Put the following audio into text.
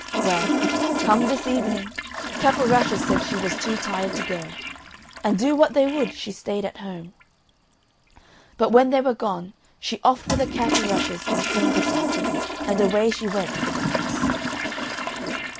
Well, come this evening, Cap o' Rushes said she was too tired to go, and do what they would she stayed at home. But when they were gone she offed with her cap o' rushes and cleaned herself, and away she went to the dance.